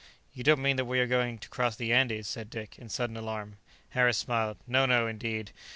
"You don't mean that we are going to cross the Andes?" said Dick, in sudden alarm. Harris smiled. "No, no, indeed.